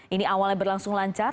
ini awalnya berlangsung lancar